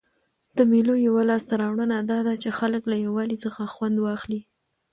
د مېلو یوه لاسته راوړنه دا ده، چي خلک له یووالي څخه خوند اخلي.